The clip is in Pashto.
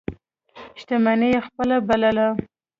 شتمني یې خپله بلله.